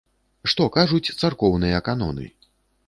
Што кажуць царкоўныя каноны?